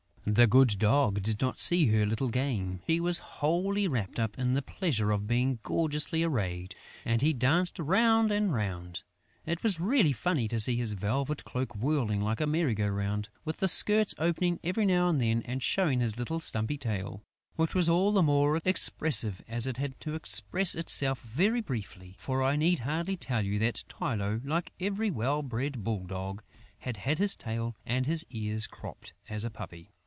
The good Dog did not see her little game. He was wholly wrapped up in the pleasure of being gorgeously arrayed; and he danced round and round. It was really funny to see his velvet coat whirling like a merry go round, with the skirts opening every now and then and showing his little stumpy tail, which was all the more expressive as it had to express itself very briefly. For I need hardly tell you that Tylô, like every well bred bull dog, had had his tail and his ears cropped as a puppy.